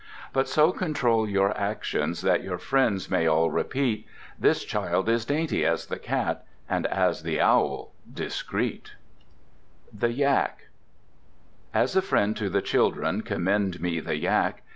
But so control your actions that Your friends may all repeat. 'This child is dainty as the Cat, And as the Owl discreet.' The Yak As a friend to the children commend me the Yak.